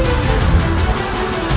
aku akan mencari dia